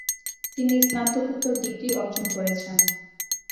তিনি স্নাতকোত্তর ডিগ্রি অর্জন করেছেন।